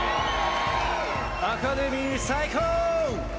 アカデミー最高！